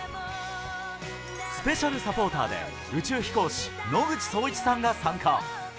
スペシャルサポーターで宇宙飛行士、野口聡一さんが参加。